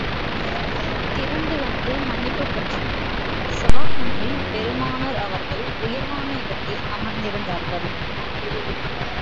திரண்டு வந்து மன்னிப்புப் பெற்றனர் ஸபா குன்றில் பெருமானார் அவர்கள் உயர்வான இடத்தில் அமர்ந்திருந்தார்கள்.